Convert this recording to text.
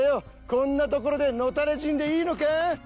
こんな所で野たれ死んでいいのか？